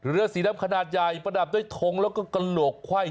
เรือสีดำขนาดใหญ่ประดับด้วยทงแล้วก็กระโหลกไขว้